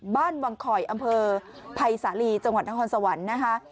บ้านวังคอยอำเภอภัยสาลีจังหวัดนครสวรรค์นะคะ